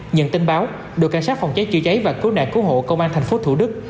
nhận tin báo đội cảnh sát phòng cháy chữa cháy và cứu nạn cứu hộ công an tp thủ đức